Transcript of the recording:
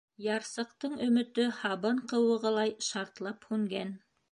Ярсыҡтың өмөтө һабын ҡыуығылай шартлап һүнгән.